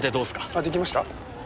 あっ出来ました？